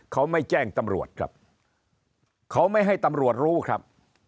เขาไม่แจ้งตำรวจครับเขาไม่ให้ตำรวจรู้ครับ